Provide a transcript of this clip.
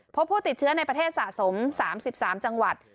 พบผู้ติดเชื้อในประเทศสะสม๓๓จังหวัด